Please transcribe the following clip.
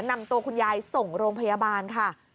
นำตัวคุณยายส่งโรงพยาบาลค่ะ